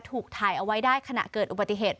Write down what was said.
ถูกถ่ายเอาไว้ได้ขณะเกิดอุบัติเหตุ